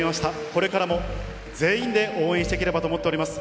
これからも全員で応援していければと思っております。